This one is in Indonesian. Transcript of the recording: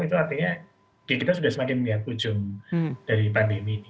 itu artinya kita sudah semakin melihat ujung dari pandemi ini